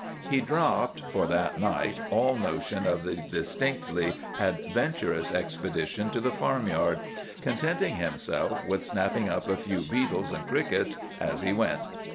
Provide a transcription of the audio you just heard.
He dropped, for that night, all notion of the distinctly adventurous expedition to the farmyard, contenting himself with snapping up a few beetles and crickets as he went.